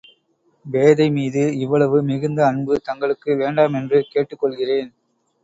பேதை மீது இவ்வளவு மிகுந்த அன்பு தங்களுக்கு வேண்டாமென்று கேட்டுக் கொள்கிறேன்.